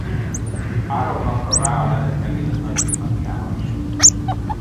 Három napra rá a lemez megjelent Nagy-Britanniában is.